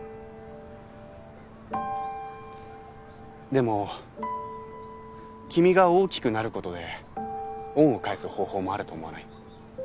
でも君が大きくなる事で恩を返す方法もあると思わない？